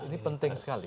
ini penting sekali